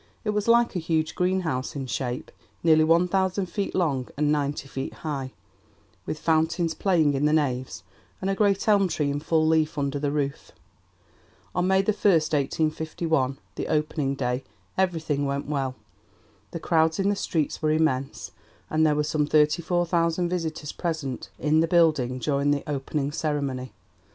It was like a huge greenhouse in shape, nearly one thousand feet long and ninety feet high, with fountains playing in the naves and a great elm tree in full leaf under the roof. On May 1, 1851, the opening day, everything went well. The crowds in the streets were immense, and there were some 34,000 visitors present in the building during the opening ceremony.